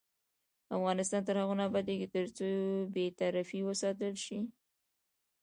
افغانستان تر هغو نه ابادیږي، ترڅو بې طرفي وساتل شي.